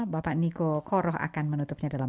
bapak niko koroh akan menutupnya dalam